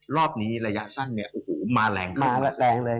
รอบนี้ระยะสั้นมาแรงเลย